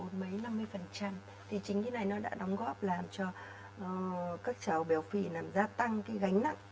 thì chính cái này nó đã đóng góp làm cho các cháu béo phì làm gia tăng gánh nặng